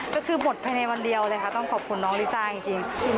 ก็คือหมดภายในวันเดียวเลยค่ะต้องขอบคุณน้องลิซ่าจริง